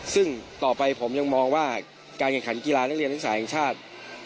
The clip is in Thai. ซึ่งต่อไปผมยังมองว่าการแข่งขันกีฬานักเรียนนักศึกษาแห่งชาติ